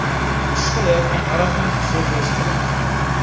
ئىشقىلىپ، ھاراقنىڭ كۈچى زور بولسا كېرەك.